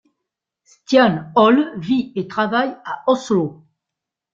Stian Hole vit et travaille à Oslo.